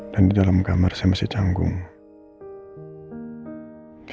dan di dalam kamar saya masih canggung